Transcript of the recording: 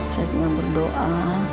saya cuma berdoa